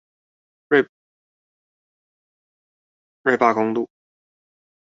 瑞八公路